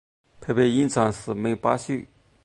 配备隐藏式门把手